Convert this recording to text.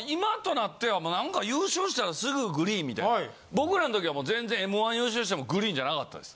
僕らの時はもう全然『Ｍ−１』優勝してもグリーンじゃなかったです。